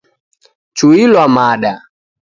Chuilwa mada.